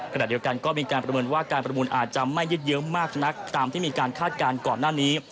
ขณะเดียวกันก็มีการประเมินว่าการประมูลอาจจะไม่ยึดเยอะมากนักตามที่มีการคาดการณ์ก่อนหน้านี้